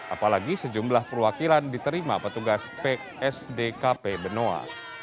apalagi sejumlah perwakilan diterima petugas psdkp benoa